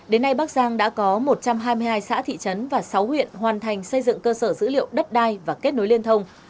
đến nay bắc giang đã có một trăm hai mươi hai xã thị trấn và sáu huyện hoàn thành xây dựng cơ sở dữ liệu đất đai và kết nối liên thông